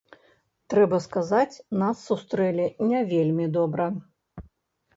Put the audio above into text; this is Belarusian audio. Трэба сказаць, нас сустрэлі не вельмі добра.